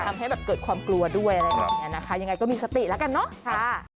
ทำให้เกิดความกลัวด้วยยังไงก็มีสติแล้วกันเนอะ